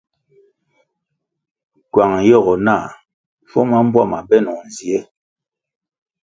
Kywang yogo nah schuo ma mbpuama benoh nzie.